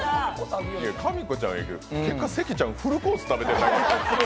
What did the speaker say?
かみこちゃんはいいけど、結果、関ちゃん、フルコースで食べてる。